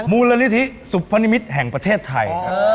ของผมมูลวิธีสุพณิมิตรแห่งประเทศไทย